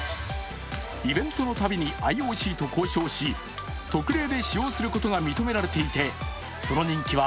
イベントのたびにＩＯＣと交渉し、特例で使用することが認められていて、その人気は